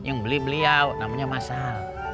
yang beli beliau namanya masal